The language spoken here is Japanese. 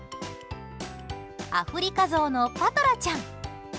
アフリカゾウのパトラちゃん。